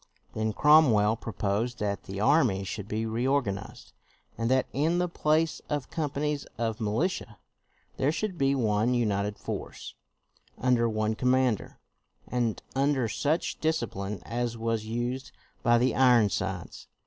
Then Cromwell proposed that the army should be reorganized, and that in the place of companies of rnilitia there should be one united force, under one com mander, and under such discipline as was used by the Ironsides.